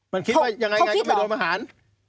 มันคิดว่ายังไงก็ไม่โดนประหาร